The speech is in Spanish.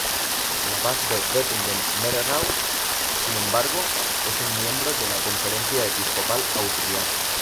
El abad de Wettingen-Mehrerau, sin embargo, es un miembro de la Conferencia Episcopal Austriaca.